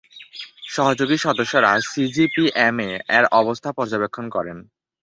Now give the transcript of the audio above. সহযোগী সদস্যরা সিজিপিএমে-এর অবস্থা পর্যবেক্ষণ করেন।